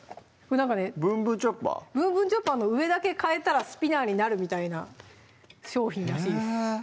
「ぶんぶんチョッパー」の上だけ替えたらスピナーになるみたいな商品らしいです